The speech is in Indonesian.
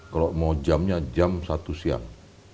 kalau mau jamnya jam satu siang